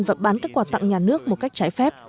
và bán các quà tặng nhà nước một cách trái phép